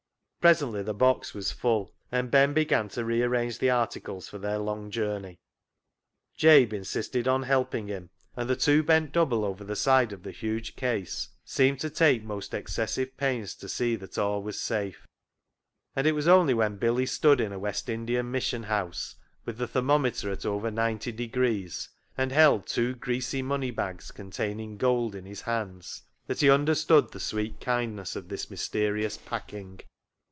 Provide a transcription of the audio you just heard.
Presently the box was full, and Ben began to rearrange the articles for their long journey. Jabe insisted on helping him, and the two BILLY BOTCH 53 bent double over the side of the huge case, seemed to take most excessive pains to see that all was safe. And it was only when Billy stood in a West Indian mission house, with the thermometer at over 90°, and held two greasy money bags containing gold in his hands, that he understood the sweet kindness of this mysterious packing.